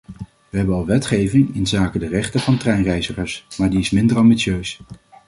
We hebben al wetgeving inzake de rechten van treinreizigers, maar die is minder ambitieus.